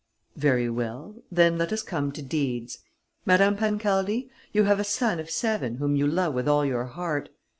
"Very well. Then let us come to deeds. Madame Pancaldi, you have a son of seven whom you love with all your heart.